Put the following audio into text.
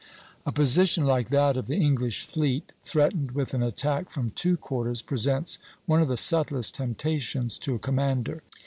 A position like that of the English fleet, threatened with an attack from two quarters, presents one of the subtlest temptations to a commander.